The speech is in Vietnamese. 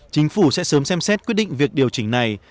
chính phủ sẽ sớm xem xét quyết định việc điều chỉnh này